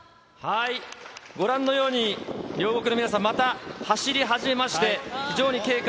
ご覧のように、両国の皆さん、また走り始めまして、非常に軽快。